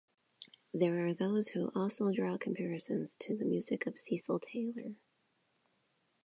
There are those who also draw comparisons to the music of Cecil Taylor.